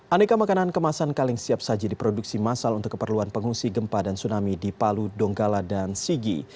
aneka makanan kemasan kaleng siap saji diproduksi masal untuk keperluan pengungsi gempa dan tsunami di palu donggala dan sigi